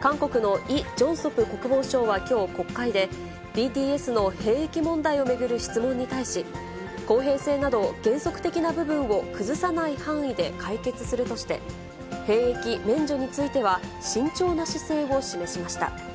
韓国のイ・ジョンソプ国防相は、きょう国会で、ＢＴＳの兵役問題を巡る質問に対し、公平性など、原則的な部分を崩さない範囲で解決するとして、兵役免除については、慎重な姿勢を示しました。